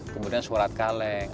kemudian surat kaleng